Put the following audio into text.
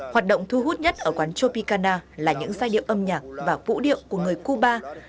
hoạt động thu hút nhất ở quán tropicana là những giai điệu âm nhạc và vũ điệu của người cuba